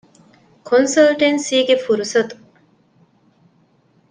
ކޮންސަލްޓަންސީގެ ފުރުސަތު